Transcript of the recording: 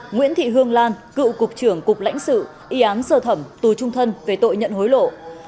nguyễn thị hương lan cựu cục trưởng cục lãnh sự y án sơ thẩm tù trung thân về tội nhận hối lộ